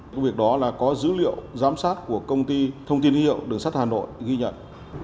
cái việc đó là có dữ liệu giám sát của công ty thông tin hiệu đường sắt hà nội ghi nhận